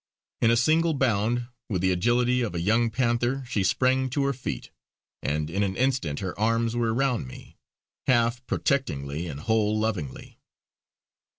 In a single bound, with the agility of a young panther, she sprang to her feet, and in an instant her arms were round me, half protectingly and whole lovingly.